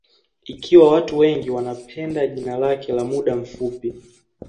Ikiwa watu wengi wanapenda jina lake la muda mfupi